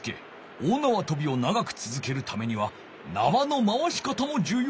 大なわとびを長くつづけるためにはなわの回し方もじゅうようなのじゃ。